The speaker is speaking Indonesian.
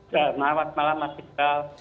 selamat malam mas jikal